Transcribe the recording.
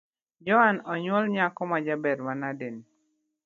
Joan onywolo nyako majaber manade ni